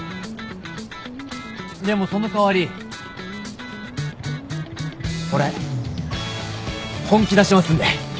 でもその代わり俺本気出しますんで。